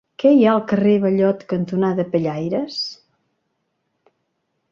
Què hi ha al carrer Ballot cantonada Pellaires?